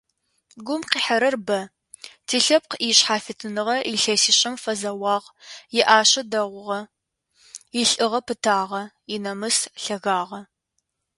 Гум къихьэрэр бэ: тилъэпкъ ишъхьафитныгъэ илъэсишъэм фэзэуагъ, иӏашэ дэгъугъэ, илӏыгъэ пытагъэ, инамыс лъэгагъэ…